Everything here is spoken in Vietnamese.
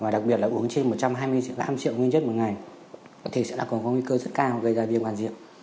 đặc biệt là uống trên một trăm hai mươi năm triệu nguyên chất một ngày có nguy cơ rất cao gây ra viên hoàn rượu